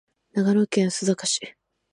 長野県須坂市